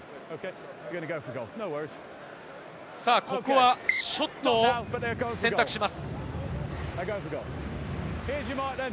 ここはショットを選択します。